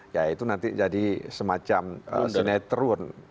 ya itu nanti jadi semacam sinetron